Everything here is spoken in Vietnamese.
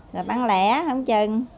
rồi bán lẻ không chừng